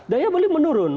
daya beli menurun